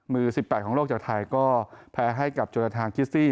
มือ๑๘ของโลกจากไทยก็แพ้ให้กับโจรทางคิสซี่